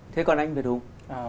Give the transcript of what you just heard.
thế còn anh việt hùng